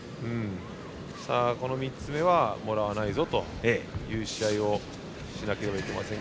３つ目は、もらわないぞという試合をしなければいけません。